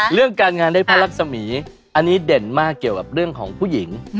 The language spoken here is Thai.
เรื่องการงานได้พระรักษมีอันนี้เด่นมากเกี่ยวกับเรื่องของผู้หญิง